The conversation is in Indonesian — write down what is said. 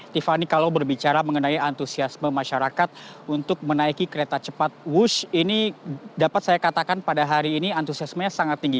tiffany kalau berbicara mengenai antusiasme masyarakat untuk menaiki kereta cepat wush ini dapat saya katakan pada hari ini antusiasmenya sangat tinggi